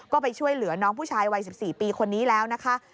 ก็ไปช่วยเหลือน้องผู้ชายวัย๑๔ปีคนนี้แล้วนะคะ